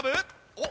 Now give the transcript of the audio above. おっ！